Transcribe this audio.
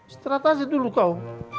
setelah tasih dulu kau